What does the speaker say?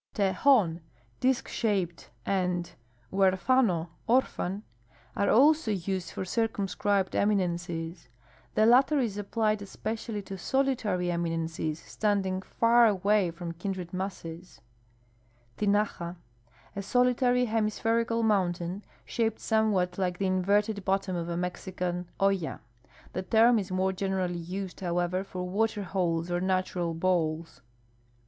Tejon (disk shaped) and huerjano (orphan) are also used for circum scribed eminences. The latter is applied especially to solitary eminences standing far away from kindred masses. Tinaja. — A solitary, hemispherical mountain, shaped somewhat like the inverted bottom of a Mexican olla. The term is more generally u.sed, however, for water holes or natural bowls.